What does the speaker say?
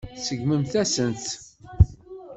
Tseggmemt-asent-tt.